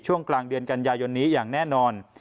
ช่วงกลางเดือนกันยายนนี้อย่างแน่นอน